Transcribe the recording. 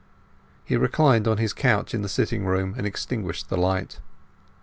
He reclined on his couch in the sitting room, and extinguished the light.